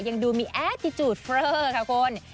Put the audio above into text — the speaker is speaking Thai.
ยังดูมีแอตติดูดเฟอร์ค่ะคน